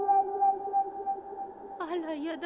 あらやだ。